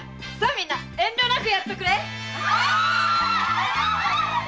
みんな遠慮なくやっとくれ！